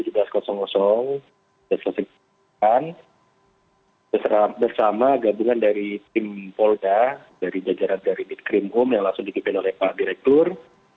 kita saksikan bersama gabungan dari tim polga dari jajaran dari bitkrim home yang langsung dikipin oleh pak direktur